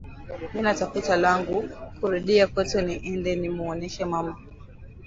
Mina tafuta lwangu ku rudia kwetu ni ende nimu oneshe mama